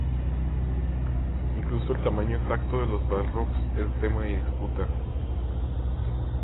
Incluso el tamaño exacto de los Balrogs es tema de disputa.